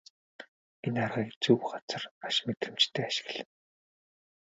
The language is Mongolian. Энэ аргыг зөв газар маш мэдрэмжтэй ашигла.